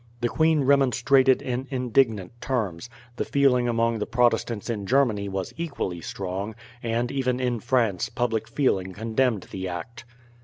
The queen remonstrated in indignant terms, the feeling among the Protestants in Germany was equally strong, and even in France public feeling condemned the act.